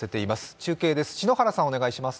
中継です。